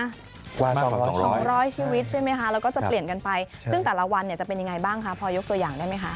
สองร้อยสองร้อยชีวิตใช่ไหมคะแล้วก็จะเปลี่ยนกันไปซึ่งแต่ละวันเนี่ยจะเป็นยังไงบ้างคะพอยกตัวอย่างได้ไหมคะ